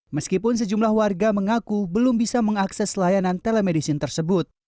meskipun sejumlah warga mengaku belum bisa mengakses layanan telemedicine tersebut